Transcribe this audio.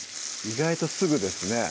意外とすぐですね